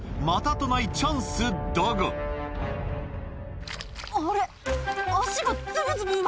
またとないチャンスだがあれ？